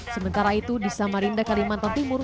sementara itu di samarinda kalimantan timur